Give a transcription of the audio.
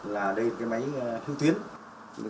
là đây là cái máy hưu tuyến